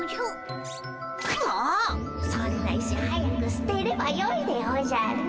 そんな石早くすてればよいでおじゃる。